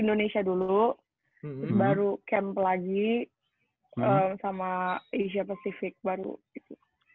indonesia dulu baru camp lagi sama asia pasifik baru gitu